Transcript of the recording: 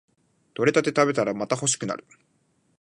採れたて食べたらまた欲しくなる